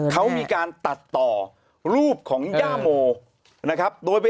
เขามีการตัดต่อรูปของย่าโมโดยไปเอาภาพแบบนี้มาตรงนี้